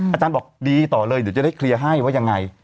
อาจารย์บอกดีต่อเลยเดี๋ยวจะได้เคลียร์ให้ว่ายังไง